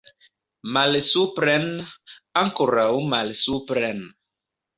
Malsupren, ankoraŭ malsupren!